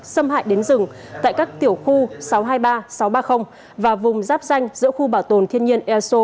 xâm hại đến rừng tại các tiểu khu sáu trăm hai mươi ba sáu trăm ba mươi và vùng giáp danh giữa khu bảo tồn thiên nhiên eso